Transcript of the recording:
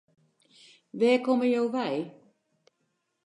Wêr komme jo wei?